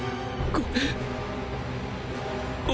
ごめん。